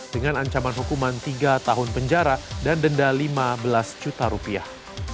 dengan ancaman hukuman tiga tahun penjara dan denda lima belas juta rupiah